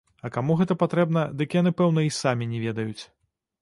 А каму гэта патрэбна, дык яны пэўна й самі не ведаюць.